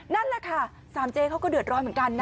นั่นแหละค่ะสามเจ๊เขาก็เดือดร้อนเหมือนกันนะ